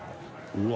「うわ！」